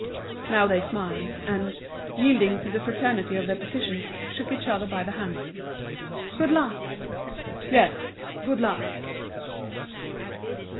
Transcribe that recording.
Now they smiled, and, yielding to the fraternity of their positions, shook each other by the hand. "Good luck!" "Yes, good luck!"